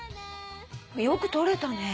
よく撮れたね。